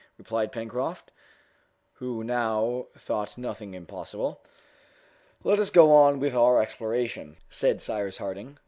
replied Pencroft, who now thought nothing impossible. "Let us go on with our exploration," said Cyrus Harding.